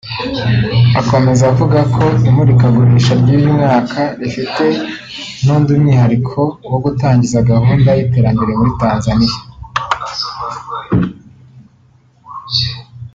Akomeza avuga ko imurikagurisha ry’uyu mwaka rifite n’undi mwihariko wo gutangiza gahunda y’iterambere muri Tanzania